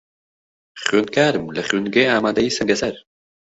خوێندکارم لە خوێندنگەی ئامادەیی سەنگەسەر.